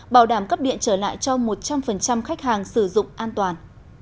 bảo đảm cấp điện trở lại cho một trăm linh khách hàng sử dụng an toàn